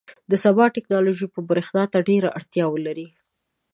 • د سبا ټیکنالوژي به برېښنا ته ډېره اړتیا ولري.